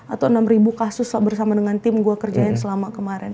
atau enam kasus bersama dengan tim gue kerjain selama kemarin